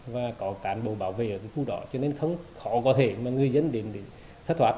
và có cán bộ bảo vệ ở khu đó cho nên không khó có thể mà người dân đến để thất thoát